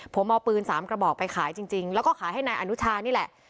ผมเอาปืน๓กระบอกไปขายจริงแล้วก็ขายให้นายอนุชานี่แหละ